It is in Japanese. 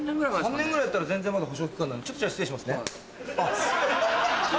３年ぐらいだったら全然まだ保証期間なんでちょっと失礼しますね。